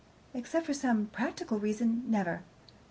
"Except for some practical reason never."